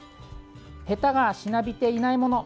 へたがしなびていないもの。